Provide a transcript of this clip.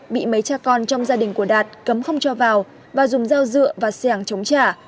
bị mấy cha con trong gia đình của đạt cấm không cho vào và dùng dao dựa và sàng chống trả